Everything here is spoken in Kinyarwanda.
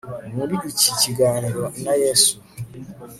muri iki kiganiro na yesu